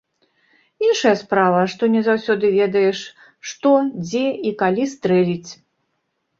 Іншая справа, што не заўсёды ведаеш, што, дзе і калі стрэліць.